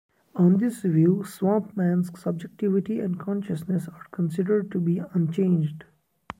On this view, Swampman's subjectivity and consciousness are considered to be unchanged.